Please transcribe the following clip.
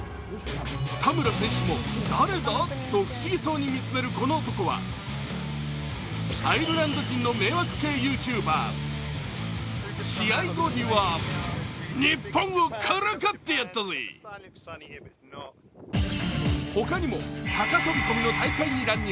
田村選手も、誰だと不思議そうに見つめるこの男はアイルランド人の迷惑ＹｏｕＴｕｂｅｒ試合後にはほかにも高飛び込みの大会に乱入。